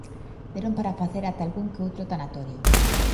Deron para facer ata algún que outro tanatorio.